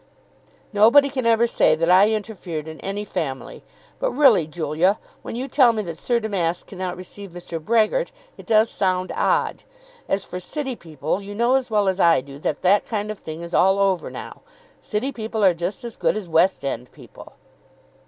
"Nobody can ever say that I interfered in any family. But really, Julia, when you tell me that Sir Damask cannot receive Mr. Brehgert, it does sound odd. As for City people, you know as well as I do, that that kind of thing is all over now. City people are just as good as West end people."